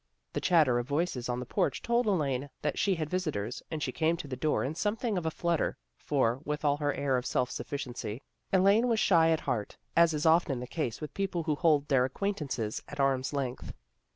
The chatter of voices on the porch told Elaine that she had visitors and she came to the door in something of a nutter, for, with all her ah of self sufficiency, Elaine was shy at heart, as is often the case with people who hold their acquaintances at arms' length.